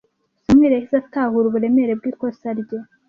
Samuel yahise atahura uburemere bwikosa rye.